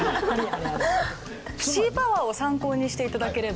シーパワーを参考にして頂ければ。